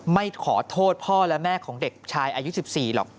ไม่ขอโทษพ่อและแม่ของเด็กชายอายุ๑๔หรอก